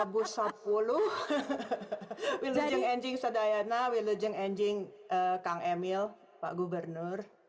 we lejeng enjing sada yana we lejeng enjing kang emil pak gubernur